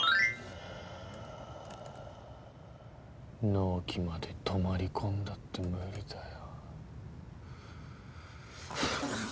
納期まで泊まり込んだって無理だよ。